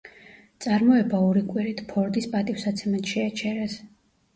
წარმოება ორი კვირით, ფორდის პატივსაცემად შეაჩერეს.